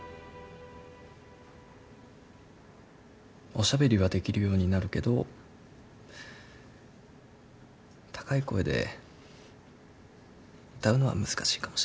おしゃべりはできるようになるけど高い声で歌うのは難しいかもしれない。